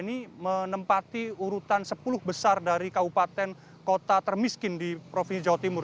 ini menempati urutan sepuluh besar dari kabupaten kota termiskin di provinsi jawa timur